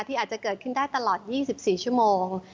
อาจจะเกิดขึ้นได้ตลอด๒๔ชั่วโมง